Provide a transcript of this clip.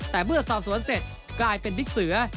แต่เมื่อสอบสวนเสร็จกลายเป็นบิ๊กเสือ